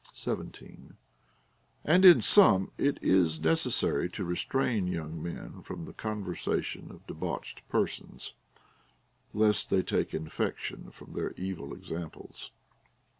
17. And in sum, it is necessary to restrain young men from the conversation of debauched persons, lest they take infection from their evil examples.